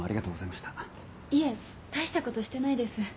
いえ大したことしてないです。